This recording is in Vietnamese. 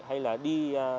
hay là đi